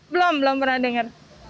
belum belum pernah dengar